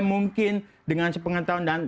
mungkin dengan sepengen tahun dan